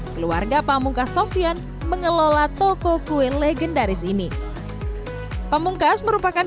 seribu sembilan ratus enam puluh sembilan keluarga pamungkas sofyan mengelola toko kue legendaris ini pamungkas merupakan